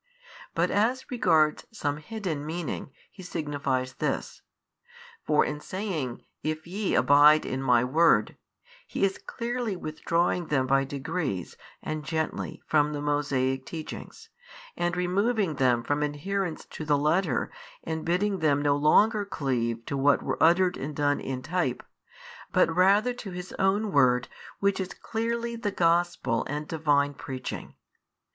But as regards some hidden meaning, He signifies this: for in saying If YE abide in My Word, He is clearly withdrawing them by degrees and gently from the Mosaic teachings, and removing them from adherence to the letter and bidding them no longer cleave to what were uttered and done in type, but rather to His own Word which is clearly the Gospel and Divine preaching.